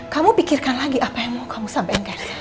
kamu pikirkan lagi apa yang mau kamu sampaikan